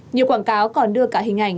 nhiều quảng cáo còn đưa cả hình ảnh